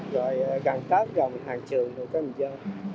rồi gần cấp rồi mình hàng trường rồi mình vô